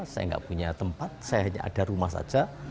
saya nggak punya tempat saya hanya ada rumah saja